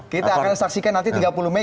kita akan saksikan nanti tiga puluh mei